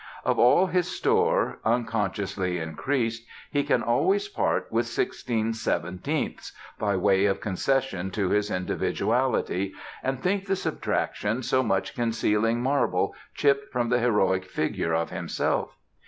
Of all his store, unconsciously increased, he can always part with sixteen seventeenths, by way of concession to his individuality, and think the subtraction so much concealing marble chipped from the heroic figure of himself.